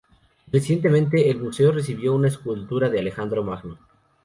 Recientemente, el museo recibió una escultura de Alejandro Magno.